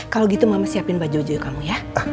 kalau gitu mama siapin baju kamu ya